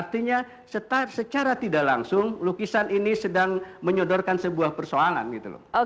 artinya secara tidak langsung lukisan ini sedang menyodorkan sebuah persoalan gitu loh